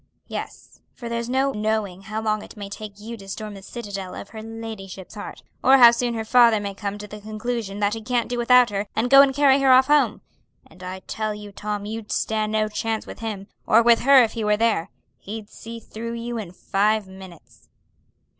"Yes, for there's no knowing how long it may take you to storm the citadel of her ladyship's heart, or how soon her father may come to the conclusion that he can't do without her, and go and carry her off home. And I tell you, Tom, you'd stand no chance with him, or with her if he were there. He'd see through you in five minutes."